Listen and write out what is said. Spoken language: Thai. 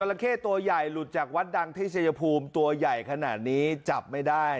ละเข้ตัวใหญ่หลุดจากวัดดังที่ชายภูมิตัวใหญ่ขนาดนี้จับไม่ได้